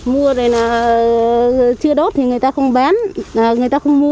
mua này là chưa đốt thì người ta không bán người ta không mua